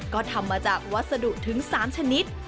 ก็ทำมาจากวัสดุถึง๓ชนิด